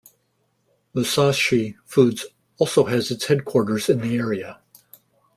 Musashi Foods also has its headquarters in the area.